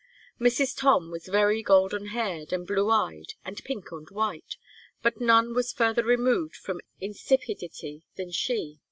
Mrs. Tom was very golden haired and blue eyed and pink and white, but none was further removed from insipidity than she.